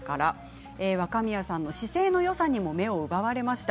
若宮さんの姿勢のよさに目を奪われました。